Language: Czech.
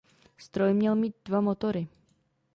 Stroj měl mít dva motory.